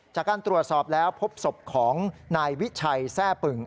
จากการตรวจสอบแล้วพบศพของนายวิชัยแทร่ปึ่ง